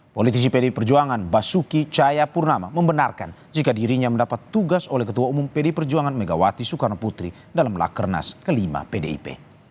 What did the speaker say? politisi pdi perjuangan basuki cahayapurnama membenarkan jika dirinya mendapat tugas oleh ketua umum pd perjuangan megawati soekarno putri dalam lakernas ke lima pdip